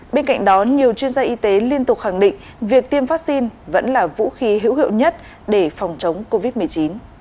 bên cạnh đó nhiều chuyên gia y tế liên tục khẳng định việc tiêm vaccine vẫn là vũ khí hữu hiệu nhất để phòng chống covid một mươi chín